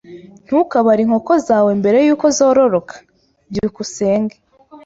Ntukabare inkoko zawe mbere yuko zororoka. byukusenge